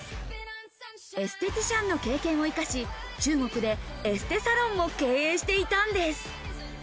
エステティシャンの経験を生かし、中国でエステサロンも経営していたんです。